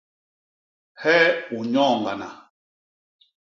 Hee u nnyooñgana?